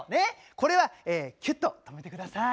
これはキュッと止めて下さい。